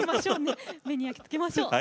目に焼き付けましょう。